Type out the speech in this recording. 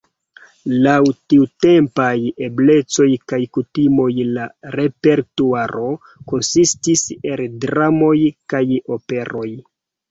Laŭ tiutempaj eblecoj kaj kutimoj la repertuaro konsistis el dramoj kaj operoj.